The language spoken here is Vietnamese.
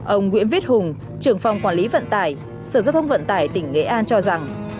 ông nguyễn viết hùng trưởng phòng quản lý vận tải sở giao thông vận tải tỉnh nghệ an cho rằng